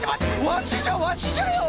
わしじゃわしじゃよ！